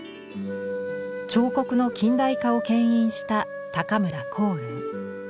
彫刻の近代化をけん引した高村光雲。